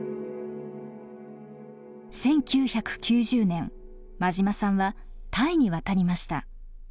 １９９０年馬島さんはタイに渡りました。